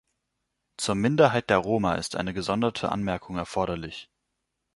Zur Minderheit der Roma ist eine gesonderte Anmerkung erforderlich.